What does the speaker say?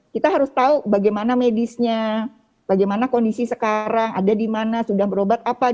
kita harus tahu bagaimana medisnya bagaimana kondisi sekarang ada di mana sudah berobat apa